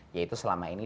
ya itu selama ini